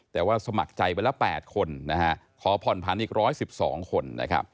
แต่ว่าสมัครใจไปละ๘คนขอผ่อนผันอีก๑๑๒คน